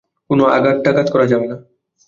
কোনো আঘাত-টাঘাত করা যাবে না।